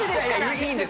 いいんです。